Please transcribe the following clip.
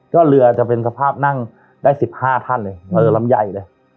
ก็เรือจะเป็นสภาพนั่งได้๑๕ท่านเลยเออลำไยเลย